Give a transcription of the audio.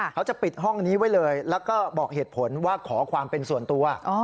เขาจะปิดห้องนี้ไว้เลยแล้วก็บอกเหตุผลว่าขอความเป็นส่วนตัว